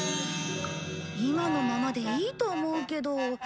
今のままでいいと思うけど。